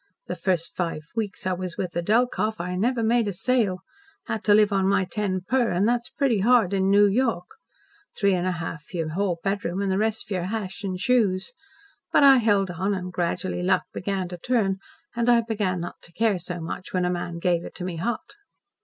The first five weeks I was with the Delkoff I never made a sale. Had to live on my ten per, and that's pretty hard in New York. Three and a half for your hall bedroom, and the rest for your hash and shoes. But I held on, and gradually luck began to turn, and I began not to care so much when a man gave it to me hot."